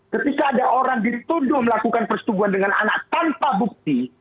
ketika ada orang dituduh melakukan persetubuhan dengan anak tanpa bukti